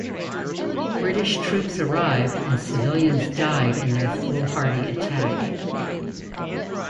British troops arrived and civilians died in their foolhardy attack.